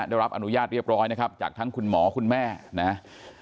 ได้รับอนุญาตเรียบร้อยนะครับจากทั้งคุณหมอคุณแม่นะครับ